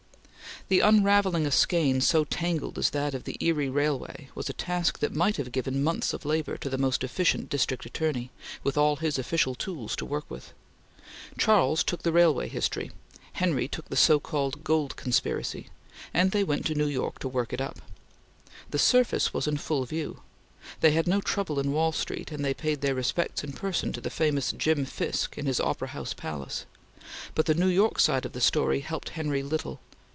The unravelling a skein so tangled as that of the Erie Railway was a task that might have given months of labor to the most efficient District Attorney, with all his official tools to work with. Charles took the railway history; Henry took the so called Gold Conspiracy; and they went to New York to work it up. The surface was in full view. They had no trouble in Wall Street, and they paid their respects in person to the famous Jim Fisk in his Opera House Palace; but the New York side of the story helped Henry little.